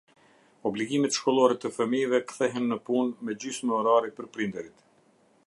Obligimet shkollore të fëmijëve kthehen në punë me gjysmë orari për prindërit.